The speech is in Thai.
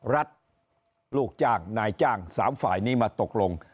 ลูกจ้างนายจ้าง๓ฝ่ายนี้มาตกลง